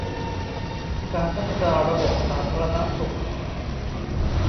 การพัฒนาระบบสาธารณสุข